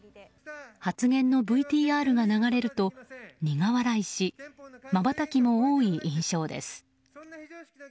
発言のＶＴＲが流れると苦笑いしまばたきも多い印象です。